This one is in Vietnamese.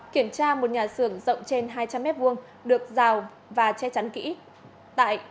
kiểm tra một nhà xưởng rộng trên hai trăm linh m hai được rào và che chắn kỹ